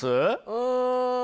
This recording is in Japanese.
うん。